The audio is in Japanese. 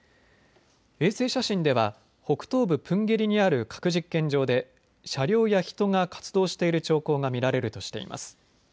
衛星写真では北東部プンゲリにある核実験場で車両や人が活動している兆候が見られるとしています。